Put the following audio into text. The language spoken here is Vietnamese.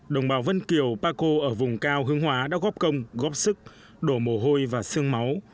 đồng bào vân kiều ba cô ở vùng cao hướng hóa đã góp công góp sức đổ mồ hôi và sương máu